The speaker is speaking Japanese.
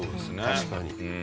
確かに。